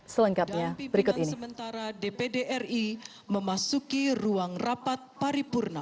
selengkapnya berikut ini mentara dpdri memasuki ruang rapat paripurna